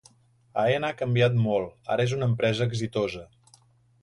Aena ha canviat molt, ara és una empresa exitosa